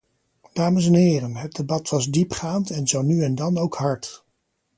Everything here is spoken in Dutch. Dames en heren, het debat was diepgaand en zo nu en dan ook hard.